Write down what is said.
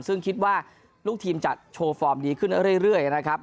ซึ่งคิดว่าลูกทีมจะโชว์ฟอร์มดีขึ้นเรื่อยนะครับ